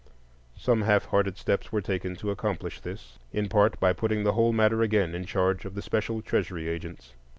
Some half hearted steps were taken to accomplish this, in part, by putting the whole matter again in charge of the special Treasury agents.